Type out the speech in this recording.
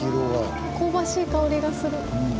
わあ香ばしい香りがする。